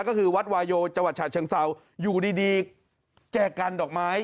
ก็คือวัดวาโยจังหวัดฉะเชิงเศร้าอยู่ดีแจกกันดอกไม้